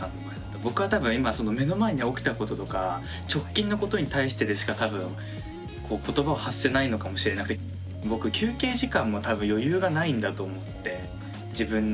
僕は多分目の前に起きたこととか直近のことに対してでしか多分言葉を発せないのかもしれなくて僕休憩時間も多分余裕がないんだと思って自分の。